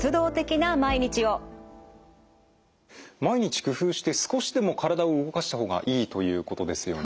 毎日工夫して少しでも体を動かした方がいいということですよね？